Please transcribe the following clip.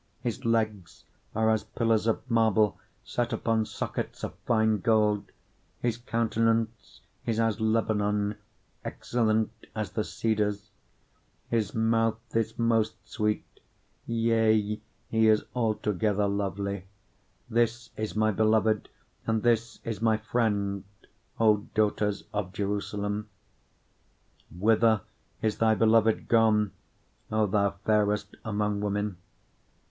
5:15 His legs are as pillars of marble, set upon sockets of fine gold: his countenance is as Lebanon, excellent as the cedars. 5:16 His mouth is most sweet: yea, he is altogether lovely. This is my beloved, and this is my friend, O daughters of Jerusalem. 6:1 Whither is thy beloved gone, O thou fairest among women?